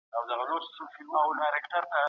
افغانانو د جګړې پلان په دقیق ډول عملي کړ.